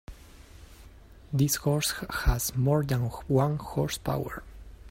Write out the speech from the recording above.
This horse has more than one horse power.